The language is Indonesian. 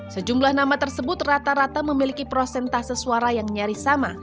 sejumlah nama tersebut rata rata memiliki prosentase suara yang nyaris sama